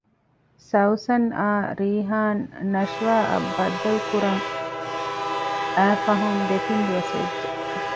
ސައުސަން އާ ރީހާން ނަޝްވާ އަށް ބައްދަލުކުރަން އައި ފަހުން ދެތިން ދުވަސް ވެއްޖެ